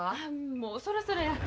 もうそろそろや。